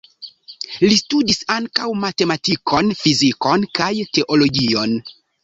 Li studis ankaŭ matematikon, fizikon kaj teologion.